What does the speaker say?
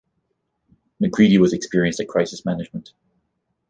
Macready was experienced at crisis management.